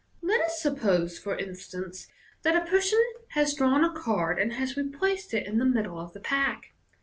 Let us suppose, for instance, that a person has drawn a card, and has replaced it in the middle of the pack.